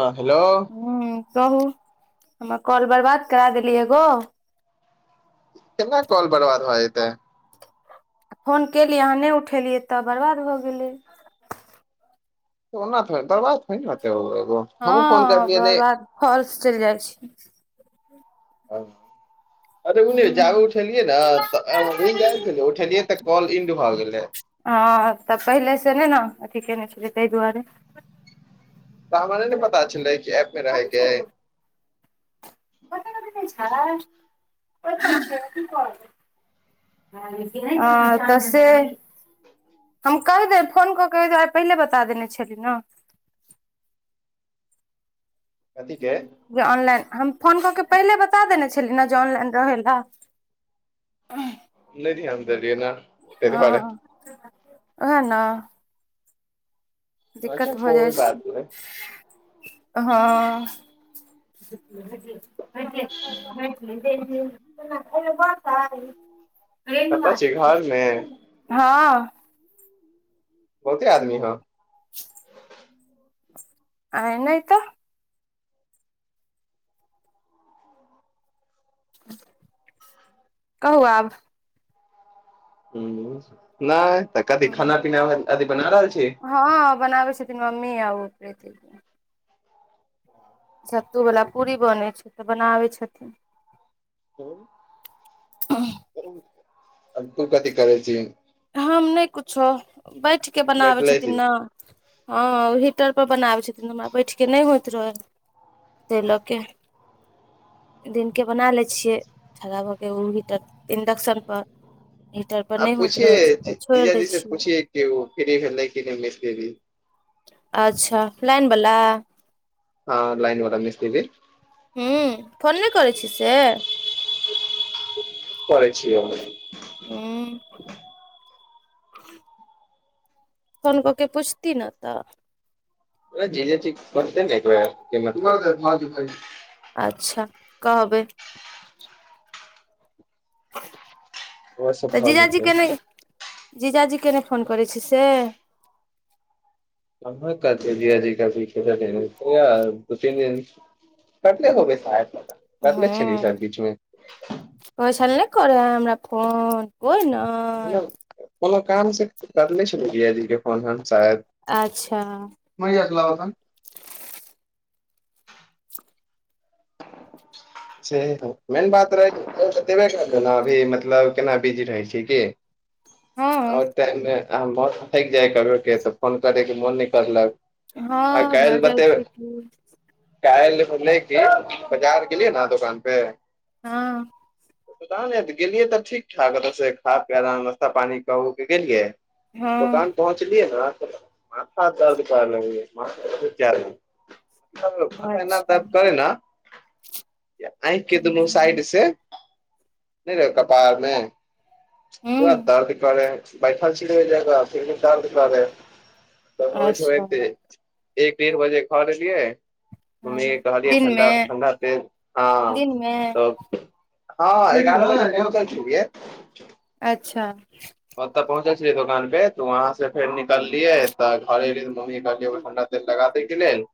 हँ हेलो हूँ कहू हमर कॉल बर्बाद करा देलीयै एगो? केना काॅल बरबाद भऽ जेतेै? फोन केलीयै आहाँ नै उठेलियै तऽ बर्बाद भऽ गेलै। ओना थोड़ी बरबाद थोड़ी न होतेै ओ एगो। हमहूँ फोन हँ करलियै ने बरबाद फौलस चइल जाइ छै। अरे उ जाहे हूँ उठेलियै ने उठेलियै तऽ। कॉल इन्ड भ गेलै। हँ तऽ पहिलेसँ नेै ने अथि केने छेलियै तैय दुआरे। तऽ हमरा नेै ने पता छेलेै की आइब के कथी रहैके है। [unintelligible] नै छै [unintelligible] अँ तऽ से- हम कैह देब फोन कऽ के एहि दुआरे पहिले बता देने छेली नऽ। कथी के जे ऑनलाइन हम फोन कऽ के पहिले बता देने छेली ने जे ऑनलाइन रहै लए। अहं नैहरी हम देलियै नऽ। हँ ओहे नऽ। अच्छा दिक्कत भऽ जाइ कोइ बात नहि छै हँ। [unintelligible] [unintelligible] बतै। रेनुआ कतऽ छी छेल्लै घरमे गै हँ। बहुते आदमी हौ? [unintelligible] आइ नै तऽ। कहू आब- हूँ नैय तऽ कथि हूँ खाना पीना अथी बना रहल छीयै? हँ बनाबै छथिन मम्मी आ उ प्रीति- सत्तुबला पूरी बनै छै तऽ बनाबै छथिन। हैय [unintelligible] तू कथी करै छीही? हम नै कुछो बैठ के बनाबै बैठले छी छथिन नऽ। हँ हीटर पर बनाबै छथिन तऽ हमरा बैठ के नै होइत रहै। तै लऽ के दिन के बना लेै। छियै खड़ा भऽ कऽ ओ हीटर इंडक्शन पर हीटर पर नै होइत रहे। जीजा जी से पूछिए कि ओ फिरी भेलै की नै मीसतीरी? अच्छा लाइन बला। हँ लाइन बला मिस्त्री। हुंउ फोन नहि करै छी से। करै छिय हमही उं फोन कऽ के पूछती न त। अरे जीजाजी कहते न एक बेर, मत [unintelligible] अच्छा कहबइ। ओहो सब तऽ भऽ जीजाजी जेतै के नहि, जीजाजी के नहि फोन करै छी से। कहाँ [unintelligible] जीजाजी [unintelligible] दु तीनदिन कतले होबै शायद, कटले छलिय शेद बीच में। कहय छले नहि करै है हमरा फोन कोइ नइ। कोनो कोनो काम से करने छेलिय जीजा जी के फोन हम शायद। आच्छा महिया से लाब तन। [inaudible] जय हो, मेन बात रहै, [unintelligible] करतइ ने अभी मतलब केना बिजी रहै छिय की। हँ ओइ टाइम मे [unintelligible] मोन थाइक जाय [unintelligible] के तऽ फोन करयके मोन नहि करलक। हँ भऽ जाइ छै की। कायल भेले की बाजार गेलिय न दुकान पे हँ पता नइ गेलियै तऽ ठीक ठाक, एत स खाक आराम नाश्ता पानी क उ के गेलियै हँ दोकान पहुँचलियै ने माथा दर्द कर लगलय [unintelligible] माथा ऐना अच्छा दर्द करै न आँखि के दुनू साइड हूँ से, नहि रहे हो कपाड़ मे पुरा दर्द करइ बैठल छि त ज्यादा फिर भी दर्द करइ, होयत अच्छा होयत एक डेढ़ बजे घर ऐलियै, मम्मी हँ कहलिय दिनमे ठण्डा- ठण्डा तेल आन दिनमे त हँ ग्यारह बजे पहुंचल छेलिय। अच्छा ओत पहुँचल छियै दोकान पे, त वहाँ से फेर निकलियै तऽ घरे ऐलिय मम्मी के कहलिय एगो ठंडा तेल लगा दे के लेल,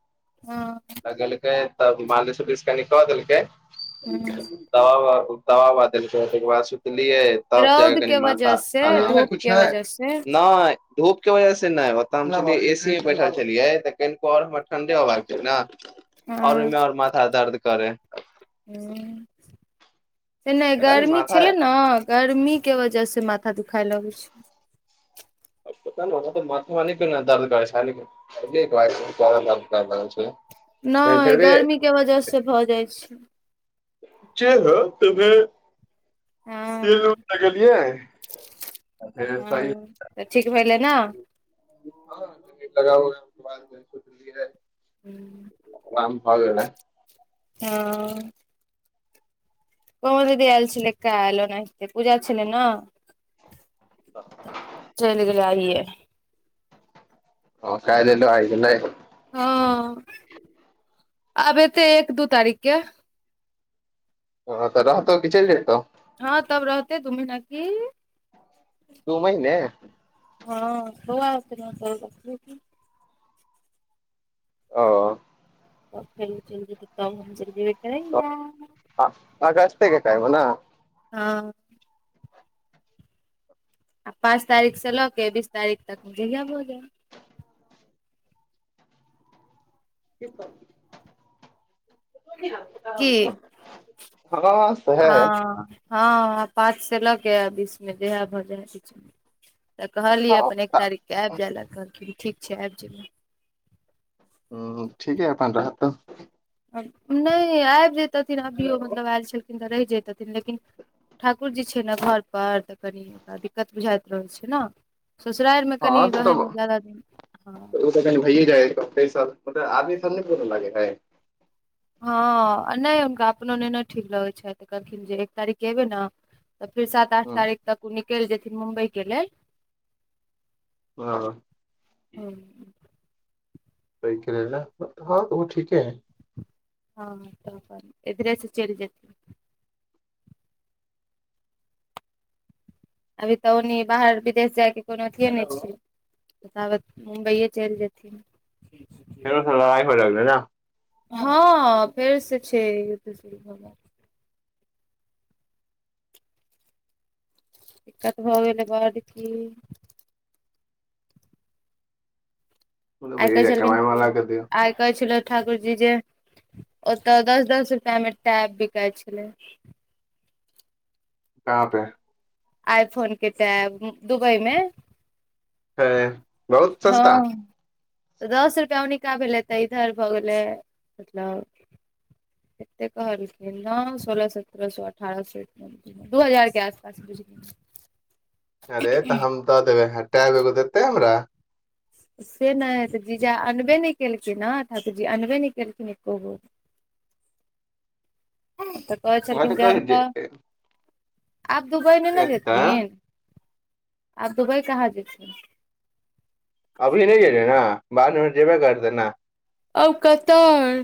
हँ लगेले त मालिस उलिस कनि क देलकय। हूँ दवा उवा दवा उवा देलकै तैइके बाद सुतलियै, तब जा रौद क कनि के माथा वजह से धूप के [unintelligible] वजह से नय धूप के वजह से नहि, ओतऽ हम छलिय ए सी मे बैठल छलिय, त कनिको और हमरा ठण्डे होबाक चाही न। हँ और ओहिमे और माथा दर्द करे। ऐना पता नहि गर्मी माथा छेले न गर्मी के वजह से माथा दुखाय लगय छय। आ पता नय, ओहो स माथा हमा नय केने दर्द करय छैल, लेकिन [inaudible] फेर नहि भी गर्मी के वजह से भऽ जाइ छै। [unintelligible] तेल उल हँ लगेलीय, फेर सही हँ स तऽ ठीक भेलै ने लगाओ [unintelligible] आराम हम्म, भऽ गेलेै। हँ। हो दीदी ऐल छेलेै काइल ओन्हि पूजा छेलै नऽ तऽ चैल गेलै आइये। ओ काइल ऐलेै आई गेलेै? हँ आब एतेै एक दू तारीख के। ओ तऽ रहतौ कि चैल जेतौ? हँ तब रहतेै दू महीना की- दू महिने- हँ बौआ और के नै [unintelligible] ओ- तऽ फेर जल्दी ओत तब हम जल्दीये करैया। हॅं अगस्ते के टाइम मे नऽ हँ। आब पाँच तारीख से लऽ के बीस तारीख तक मे जहिया भऽ जाय। कि कहू। की हँ सेेएहे आ हैय। हँ पाँच से लऽ के आ बीस मे जहिया भऽ जाय किछ। तऽ कहलियै हे अपन एक हँ तारीख के आइबि जाइ लए कहलखिन ठीक छै आइबि जेबै। हँ ठीके अपन रहत। नैय आइब जयतथिन अभियो मतलब एल छेलखिन तऽ रहि जयतथिन लेकिन- ठाकुर जी छै ने घर पर तऽ कनि ओकरा दिक्कत बुझाइत रहै छै नऽ। ससुराइर मे कनि रहयमे ज्यादा दिन हँ। भैये जाये कनी से बैस मे आदमी सब ने बोलऽ लागेै हैय। हँ नै हुनका अपनो नै ने ठीक लगै छै तऽ कहलखिन जे एक तारीख एबै ने- तऽ फेर सात आठ तारीख तक ओ निकैल जेथिन मुम्बइ के लेल। ओ हूँ। तैं के लेल ने हँ ओहो ठीके हैय। हँ तऽ इधरे से चैल जथि अभी तऽ ओनी बाहर विदेश जायके कोनो अथिए नै छै। ताबत मुम्बइए चैल जेथिन। [unintelligible] हँ फेर से छै [unintelligible] दिक्कत भऽ गेलै बड की- ने आइ भैये कहै जाय छेलखिन कमाय वाला के दियौ आइ कहै छलथि ठाकुर जी जे- ओतऽ दस दस रुपआ मे टैप बिकाइ छेलै। कहाँ पे? आय फोन के टैब दुबई मे। हैय बहुत सस्ता। हँ दस रुपया ओनिका भेल हेतै इधर भऽ गेलै मतलब- एतेक कहलखिन दाम सोलह सत्ररह सौ अठारह सौ रूपया। दू हजार के आसपास बुझियो। अरे तऽ हम दऽ देबै टैब एगो देतै हमरा? से नै से जीजा अनबे नै केलखिन न तऽ ठाकुरजी अनबे नै केलखिन एको गो। तऽ कहै वहाँ तऽ छलखिन कि जे कहि हम दे त आब दुबई नहि ने एतऽ जेथिन, आब दुबई कहाँ जेथिन। अभी नहि गेलै हें बादमे जेबे करतै ने। आब कत ऐ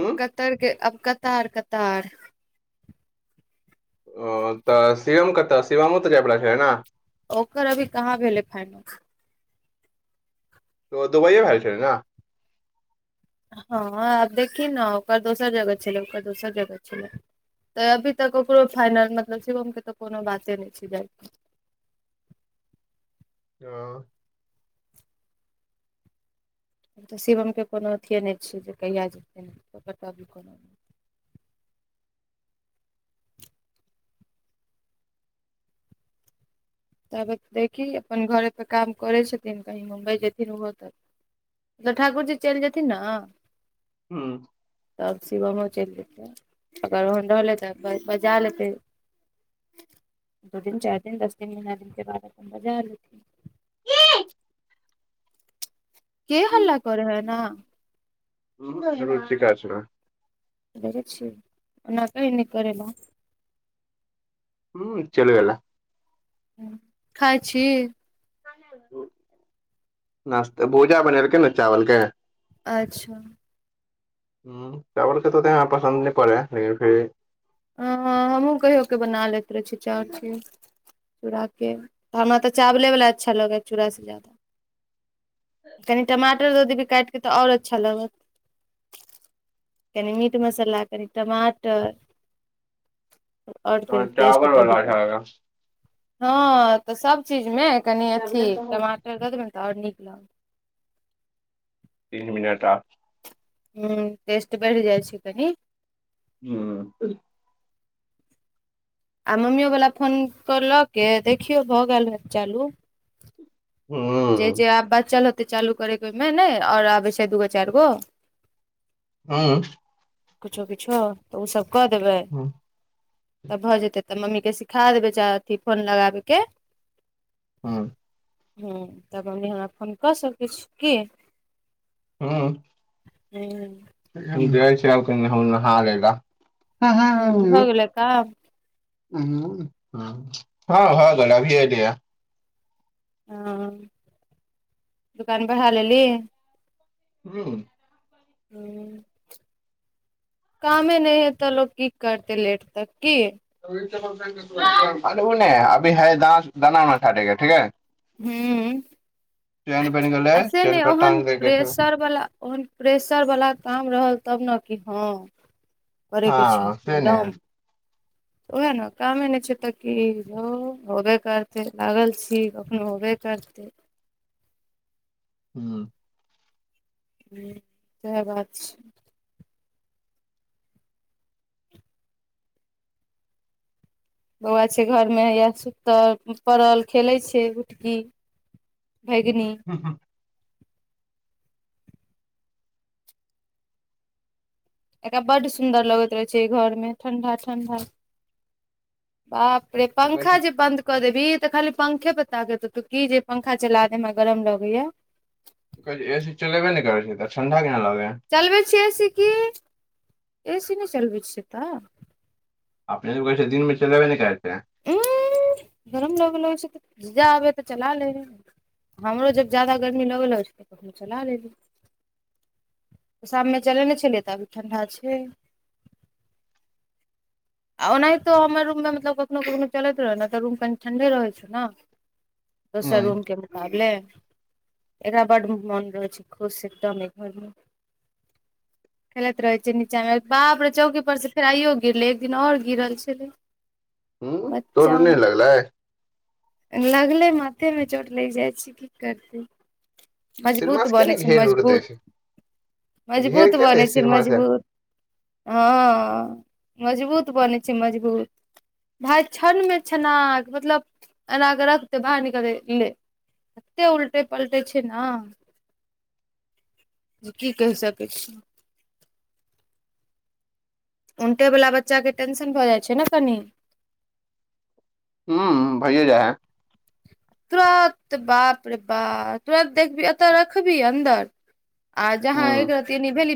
हूँ कतर के अब कतार कतार ओ तऽ शिवम कतऽ शिवमो तऽ जायवला छलै ने? ओकर अभी कहाँ भेलै फाइनल। तऽ दुबइयए भेए गेल छलै ने? हँ आब देखही ने ओकर दोसर जगह छलै ओकर दोसर जगह छलै। तऽ अभी तक ओकरो फाइनल मतलब शिवम के तऽ कोनो बाते नहि छै जायके। ह तऽ शिवम के कोनो अथिये नहि छै जे कहिया जेतै ने क ओकर त अभी कोनो नहि ताबत देखही अपन घरेपर काम करै छथिन कहीं मुम्बइ जेथिन ओहो तऽ। तऽ ठाकुर जी चलि जेथिन न। हू। तब शिवमो चलि जेतै। अगर ओहन रहलै तऽ बस बजा लेतै दू दिन चारि दिन दस तीन महीना में अपन फेर बजाय लेत। के हल्ला कर है ऐना? रुचिका छैले। दखें छिये ओना कही नहि करैला। हूँ चल गेले। खाइ छी? नश्ता भूजा बनेलके ने चावल के। अच्छा। ह चावलके तऽ तऽ यहाँ पसन्द नहि पड़ै लेकिन फिर भी ह हमहूँ कहियो के बना लैत रहै छी चाउर के। चूड़ाके तऽ हमरा तऽ चावलेवला अच्छा लगै चूड़ासँ जादा। कनि टमाटर द दभी काटि कऽ तऽ आओर अच्छा लागत। कनि मीट मसाला कनि टमाटर आओर हँ कनि टेस्ट टावर बढ़ वाला जेत। छलए हँ तऽ सभचीज में कनि चबले अथी तऽ है टमाटर दऽ देबै ने तऽ आओर नीक लगत। तीन मिनट आ हम्म टेस्ट बढ़ जाइ छै कनी। हँ। आ मम्मियो वला फोन क लऽ के देखियौ भऽ गेल हेत चालू। जे जे आब बच्चल होते चालू करेके ओहिमे ने आओर आबै छै दूगो चारि गो। हँ। किछो किछो तऽ ओसभ कऽ देबै। तऽ भऽ जेतै तऽ मम्मीके सिखा देबै चाह अथी फोन लगाबय के। हँ। ह तब हमनी यहाँ फोन कऽ सकैत छी की। हँ। हू। जाइ छी आब हम कनि नहा लेला। हम्म भ गेले काम। उहुं हम्म हँ भऽ गेले अभीए ऐलै यैं। हँ दुकान बढा़ लेली। [unintelligible] हूँ कामे नहि हय त, लोक की करतै लेट तक की [unintelligible] अनहु नहि अभी है दाना उना छाटैके ठीक है हम्म चेन बनि गेलै आ से चेन नहि पर ओहन टांग दै के छै प्रेसर बला ओहन प्रेशर बला काम रहल तब न कि हँ करैके छै हँ से नै है हुँ एकदम। उहै न कामे नहि छै त कि, धौ होबे करतै लागल छी कखनो होबे करतै। उहम्म हम्म सैह बात छै। बौआ छै घरमे, या सुतल-पड़ल खेलै छै भुटकी। भैगनी। [unintelligible] एकरा बड सुंदर लगैत रहै छै, अय घर में ठंडा-ठंडा। बापरे कहै पंखा छी जे बन्द क देभी त खाली पंखे पे ताकैत रहतौ, की जे पंखा चला दे हमरा गरम लगैया। कहै छि ए सी चलेबे नहि करै छि, तऽ ठंडा केना लगै हैं। चलबै छियै ए सी की, ए सी नहि चलबै छियै तऽ। अपने तो कहै छै, दिन मे चलेबे नहि करते हैं। उम्म गरम लगऽ छै त, जा आबे तऽ चला लय हय। हमरो जब जादा गर्मी लगऽ लगै छै, तऽ हम चला लेली। शाममे चले नहि छलियै, तऽ अभी ठण्डा छै। आ ओनाहितो हमर रूममे मतलब कखनो-कखनो चलैत रहै ने, तऽ रूम कनि ठण्ढे रहैत छै न। दोसर हुँ रूम के मुकाबले एकरा बड मोन रहै छै खुश, एकदम अय घर मे। खेलैत रहै छै नीचा मे, बाप रे चौकी पर से फेर आइयो गिरलै। एकदिन आओर गिरल छलै हूँ चोट बच्चा नहि हम लगलै लगलै माथेमे चोट लागि जाइ छै की करतै। मजबूत सिनेमा से किया बनै ने छै घेर उर दै मजबूत, छै घेर मजबूत किया दै बनै छै सिनेमा से मजबूत। हँऽ मजबूत बनै छै मजगूत। भाय छन मे छनाक, मतलब एना के रखतै बाहर निकलतै ले। तते उलटै-पलटै छै न जे की कहि सकै छी। उनटैबला बच्चाके टेंशन भऽ जाइ छै न कनि। हम्म भैइए जाइ हय। तुरत बाप रे बाप तुरत देखबी एतऽ रखबिही अन्दर आ जहाँ हूँ एक रति एनि भेली